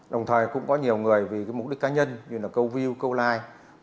đồng thời cũng có nhiều người vì mục đích cá nhân như câu view câu like